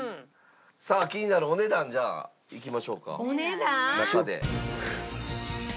さあ気になるお値段じゃあいきましょうか中で。